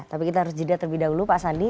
tapi kita harus jeda terlebih dahulu pak sandi